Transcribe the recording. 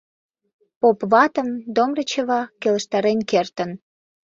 Поп ватым Домрачева келыштарен кертын.